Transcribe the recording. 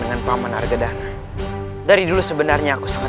ini memang tidak betul dan brokade